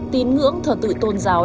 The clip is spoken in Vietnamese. tin ngưỡng thờ tự tôn giáo